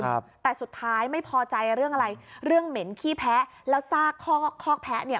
ครับแต่สุดท้ายไม่พอใจเรื่องอะไรเรื่องเหม็นขี้แพ้แล้วซากคอกคอกแพ้เนี่ย